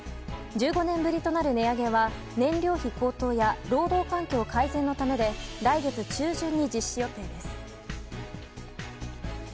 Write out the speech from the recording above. １５年ぶりとなる値上げは燃料費値上げや労働環境改善のためで来月中旬に実施予定です。